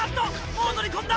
もう乗り込んだ！